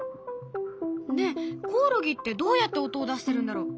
ねえコオロギってどうやって音を出してるんだろう？